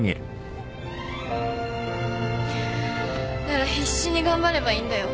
なら必死に頑張ればいいんだよ。